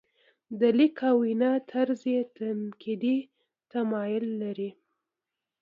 د لیک او وینا طرز یې تنقیدي تمایل لري.